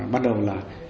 bắt đầu là